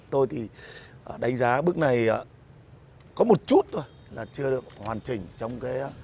tôi thì đánh giá bước này có một chút thôi là chưa được hoàn chỉnh trong cái